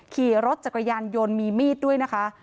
ขี่รถจักรยานยนต์มีมีดด้วยนะคะ